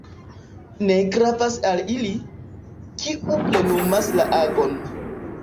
Ne gravas al ili, kiu plenumas la agon.